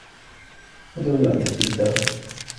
هل تود أن تأتي بالداخِل؟